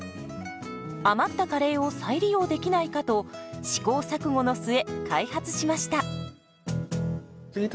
余ったカレーを再利用できないかと試行錯誤の末開発しました。